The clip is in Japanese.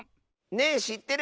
「ねぇしってる？」。